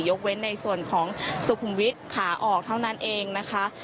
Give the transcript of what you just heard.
ยกเว้นในส่วนของสุขุมวิทย์ขาออกเท่านั้นเองนะคะ